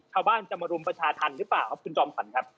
ชาวบ้านจะมารุมประชาธรรมหรือเปล่าครับคุณจอมขวัญครับ